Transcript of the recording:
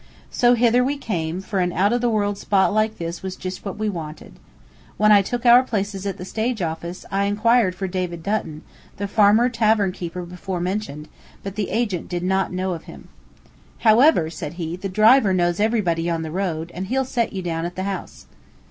So hither we came, for an out of the world spot like this was just what we wanted. When I took our places at the stage office, I inquired for David Dutton, the farmer tavern keeper before mentioned, but the agent did not know of him. "However," said he, "the driver knows everybody on the road, and he'll set you down at the house."